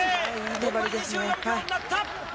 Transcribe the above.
残り２４秒になった。